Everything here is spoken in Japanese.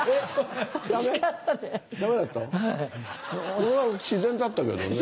俺は自然だったけどね。